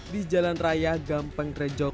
di jalan raya gampeng rejok